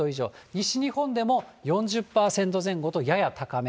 西日本でも４０％前後とやや高め。